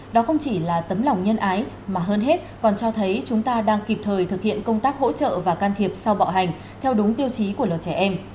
đó không chỉ là tấm lòng nhân ái mà hơn hết còn cho thấy chúng ta đang kịp thời thực hiện công tác hỗ trợ và can thiệp sau bạo hành theo đúng tiêu chí của luật trẻ em